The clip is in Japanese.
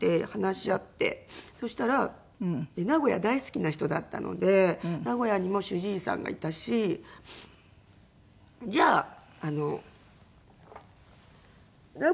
そしたら名古屋大好きな人だったので名古屋にも主治医さんがいたし「じゃあ名古屋に戻る？」って言って。